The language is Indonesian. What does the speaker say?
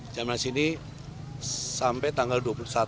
jambore nasional sampai tanggal dua puluh satu